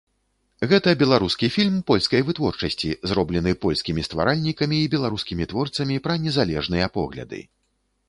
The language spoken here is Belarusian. Гэта беларускі фільм польскай вытворчасці, зроблены польскімі стваральнікамі і беларускімі творцамі пра незалежныя погляды.